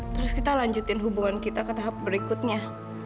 terus kita lanjutin hubungan kita ke tahap berikutnya